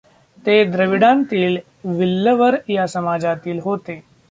ते द्रविडांतील विल्लवर या समाजातील होते.